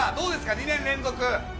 ２年連続。